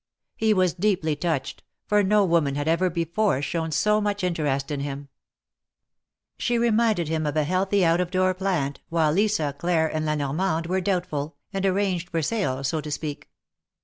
He was deeply touched, for no woman had ever before shown so much interest in him. THE MAEKETS OF PAEIS. 217 She reminded him of a healthy out of door plant, while Lisa, Claire and La Normande were doubtful, and arranged for sale, so to speak.